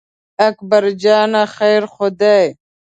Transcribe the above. اکبر جانه خیر خو دی.